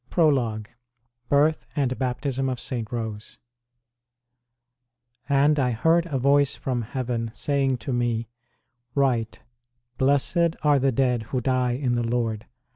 PROLOGUE : BIRTH AND BAPTISM OF ST. ROSE. And I heard a voice from heaven, saying to me, Write : Blessed are the dead who die in the Lord.